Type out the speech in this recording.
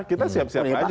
kita siap siap saja